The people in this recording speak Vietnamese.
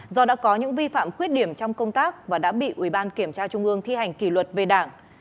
do đã có những vi phạm khuyết điểm trong công tác và đã bị ubnd thi hành kỷ luật về đảng